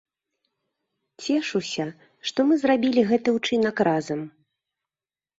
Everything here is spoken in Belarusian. Цешуся, што мы зрабілі гэты ўчынак разам!